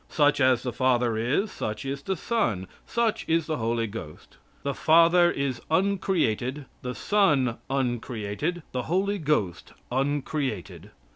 Such as the Father is, such is the Son, such is the Holy Ghost. The Father is uncreated, the Son uncreated, the Holy Ghost uncreated.